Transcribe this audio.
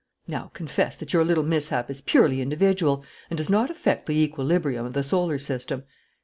Now confess that your little mishap is purely individual and does not affect the equilibrium of the solar system.